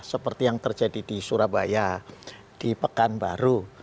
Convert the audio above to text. seperti yang terjadi di surabaya di pekanbaru